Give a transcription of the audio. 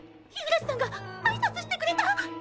日暮さんが挨拶してくれた！